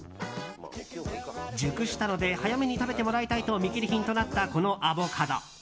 熟したので早めに食べてもらいたいと見切り品となったこのアボカド。